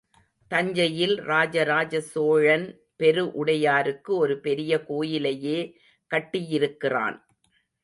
தஞ்சையில் ராஜ ராஜ சோழன் பெரு உடையாருக்கு ஒரு பெரிய கோயிலையே கட்டியிருக்கிறான்.